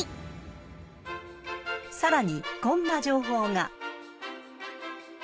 ［さらにこんな情報が］